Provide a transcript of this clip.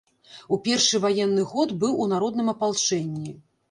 У першы ваенны год быў у народным апалчэнні.